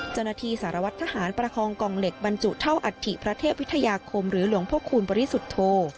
สารวัตรทหารประคองกล่องเหล็กบรรจุเท่าอัฐิพระเทพวิทยาคมหรือหลวงพระคูณบริสุทธโธ